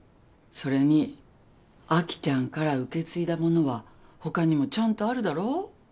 それにアキちゃんから受け継いだものは他にもちゃんとあるだろ。